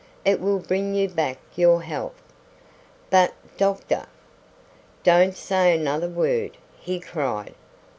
It will bring you back your health." "But, doctor " "Don't say another word," he cried.